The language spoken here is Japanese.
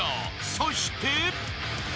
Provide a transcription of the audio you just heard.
［そして］